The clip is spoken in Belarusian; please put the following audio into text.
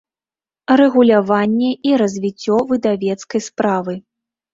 Рэгуляванне i развiццё выдавецкай справы.